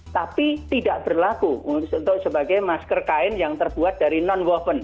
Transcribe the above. tapi tidak berlaku untuk sebagai masker kain yang terbuat dari non woven